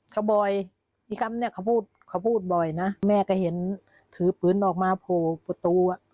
เขาบ่อยพี่คำเนี่ยเขาพูดเขาพูดบ่อยนะแม่ก็เห็นถือปืนออกมาโผล่ประตูอ่ะ